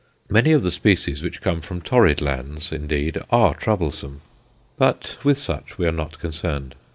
Many of the species which come from torrid lands, indeed, are troublesome, but with such we are not concerned.